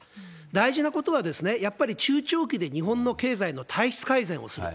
大事なことは、やっぱり中長期で日本の経済の体質改善をする。